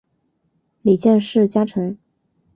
里见氏家臣。